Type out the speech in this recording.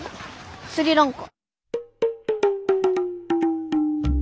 スリランカ。